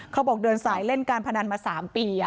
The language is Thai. เขาบอกเดินสายเล่นกลับหันภนันมา๓ปี